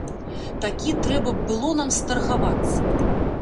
Такі трэба б было нам старгавацца.